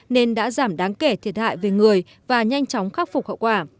nên đã giảm đáng kể thiệt hại về người và nhanh chóng khắc phục hậu quả